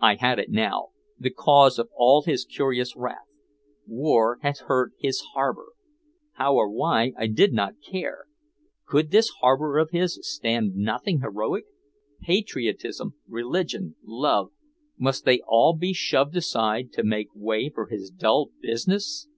I had it now, the cause of all his curious wrath! War had hurt his harbor! How or why I did not care. Could this harbor of his stand nothing heroic? Patriotism, religion, love must they all be shoved aside to make way for his dull business?